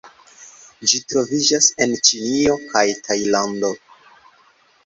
Ĝi troviĝas en Ĉinio kaj Tajlando.